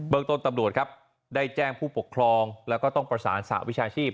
ต้นตำรวจครับได้แจ้งผู้ปกครองแล้วก็ต้องประสานสหวิชาชีพ